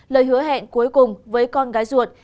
lời hứa hẹn cuối cùng với con gái ruột